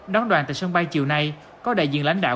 đón đoàn tại sân bay chiều nay có đại diện lãnh đạo